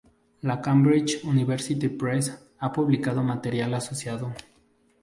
La Cambridge University Press ha publicado material asociado.